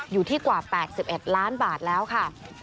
อยู่ที่กว่า๘๑ล้านบาทแล้วค่ะ